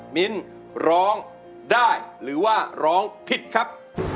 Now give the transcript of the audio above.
มิ้นร้องได้หรือว่าร้องผิดครับ